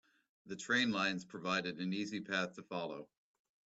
The train lines provided an easy path to follow.